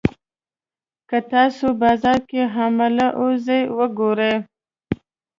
که تاسو بازار کې حامله اوزه وګورئ.